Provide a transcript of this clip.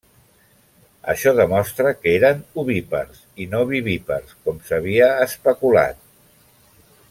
Això demostra que eren ovípars i no vivípars com s'havia especulat.